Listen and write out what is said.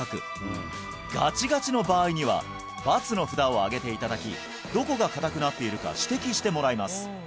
ガチガチの場合には「×」の札を上げていただきどこが硬くなっているか指摘してもらいます